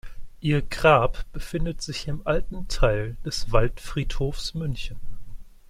Ihr Grab befindet sich im alten Teil des Waldfriedhofs München.